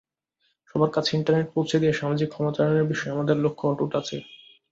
সবার কাছে ইন্টারনেট পৌঁছে দিয়ে সামাজিক ক্ষমতায়নের বিষয়ে আমাদের লক্ষ্য অটুট আছে।